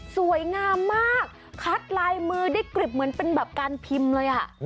สวยงามมากคัดลายมือได้กริบเหมือนเป็นแบบการพิมพ์เลย